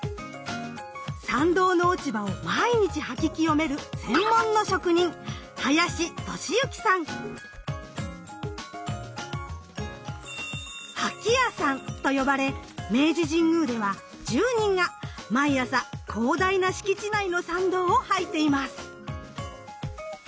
参道の落ち葉を毎日掃き清める専門の職人「掃き屋さん」と呼ばれ明治神宮では１０人が毎朝広大な敷地内の参道を掃いています。